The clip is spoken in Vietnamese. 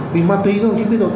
vì ma túy không chứ biết đâu